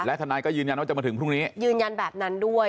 ทนายก็ยืนยันว่าจะมาถึงพรุ่งนี้ยืนยันแบบนั้นด้วย